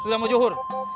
sudah mau juhur